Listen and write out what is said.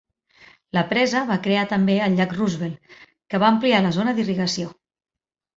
La presa va crear també el Llac Roosevelt, que va ampliar la zona d'irrigació.